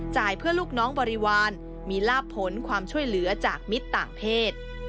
เพื่อลูกน้องบริวารมีลาบผลความช่วยเหลือจากมิตรต่างเพศ